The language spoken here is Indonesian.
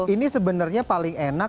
ini sebenernya paling enak